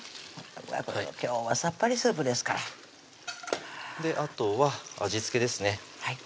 今日はさっぱりスープですからあとは味付けですねはい